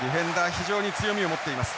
非常に強みを持っています。